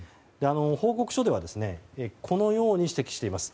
報告書ではこのように指摘しています。